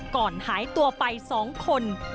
ก่อนหายตัวไป๒คน